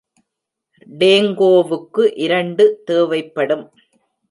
டேங்கோவுக்கு இரண்டு தேவைப்படும்.